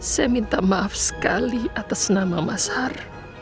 saya minta maaf sekali atas nama mas har